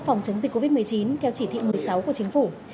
phòng chống dịch covid một mươi chín theo chỉ thị một mươi sáu của chính phủ